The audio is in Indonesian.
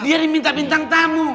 dia diminta bintang tamu